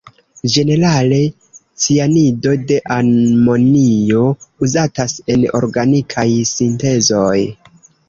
Ĝenerale cianido de amonio uzatas en organikaj sintezoj.